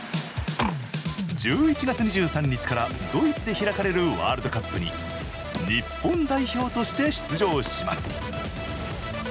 １１月２３日からドイツで開かれるワールドカップに日本代表として出場します。